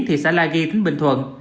thị xã la ghi tỉnh bình thuận